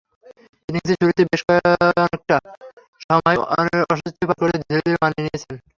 ইনিংসের শুরুতে বেশ অনেকটা সময় অস্বস্তিতে পার করলেও ধীরে ধীরে মানিয়ে নিয়েছেন।